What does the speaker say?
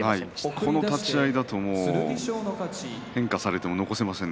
この立ち合いだと変化をされても残せませんね。